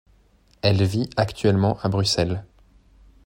Elle vit actuellement à Bruxelles.